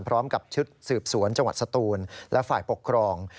พร้อมกับชุดสืบสวนจังหวัดสตูนและฝ่ายปกครอง